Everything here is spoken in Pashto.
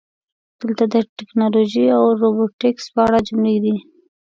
دلته د "ټکنالوژي او روبوټیکس" په اړه جملې دي: